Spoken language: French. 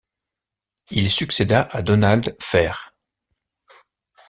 Il succèda à Donald Fehr.